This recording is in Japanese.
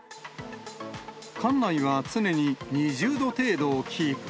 館内は常に２０度程度をキープ。